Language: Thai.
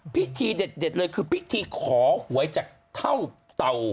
พิธีเด็ดเลยคือพิธีขอหวยจากเท่าเต่า